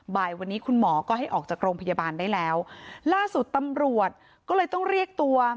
บ่ายวันนี้คุณหมอก็ให้ออกจากโรงพยาบาลได้แล้วล่าสุดตำรวจก็เลยต้องเรียกตัว